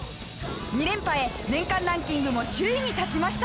２連覇へ年間ランキングも首位に立ちました。